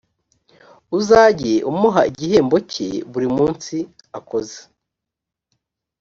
uzajye umuha igihembo cye buri munsi akoze;